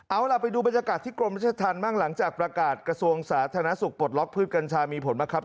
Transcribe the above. เอาล่ะไปดูบรรยากาศที่กรมราชธรรมบ้างหลังจากประกาศกระทรวงสาธารณสุขปลดล็อกพืชกัญชามีผลบ้างครับ